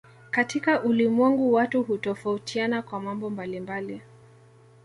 Katika ulimwengu watu hutofautiana kwa mambo mbalimbali